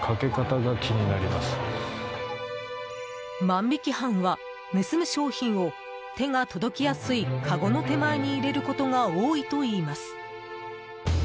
万引き犯は、盗む商品を手が届きやすいかごの手前に入れることが多いといいます。